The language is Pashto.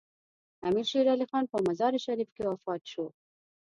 امیر شیر علي خان په مزار شریف کې وفات شو.